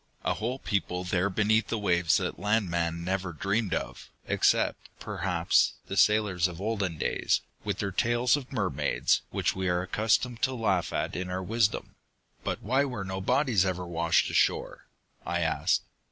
"A whole people there beneath the waves that land man never dreamed of except, perhaps, the sailors of olden days, with their tales of mermaids, which we are accustomed to laugh at in our wisdom!" "But why were no bodies ever washed ashore?" I asked.